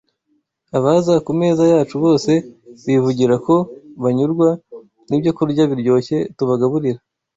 Abaza ku meza yacu bose bivugira ko banyurwa n’ibyokurya biryoshye tubagaburira.